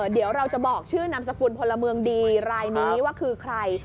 เดี๋ยวเราจะบอกชื่อนามสกุลพลเมืองดีรายนี้ว่าคือใคร